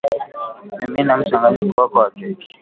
mimina mchanganyiko wako wa keki